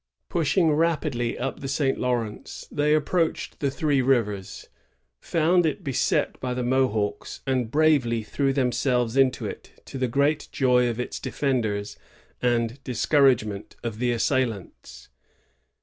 Pushing rapidly up the St Lawrence, they approached Three Rivers, found it beset by the Mohawks, and bravely threw them selves into it, to the great joy of its defenders and discouragement of the assailants.